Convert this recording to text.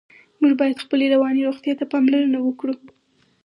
موږ باید خپلې رواني روغتیا ته پاملرنه وکړو.